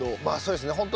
まあそうですね。